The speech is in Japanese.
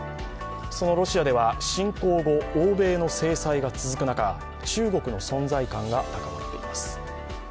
そのロシアでは侵攻後欧米の制裁が続く中、中国の存在感が高まっています。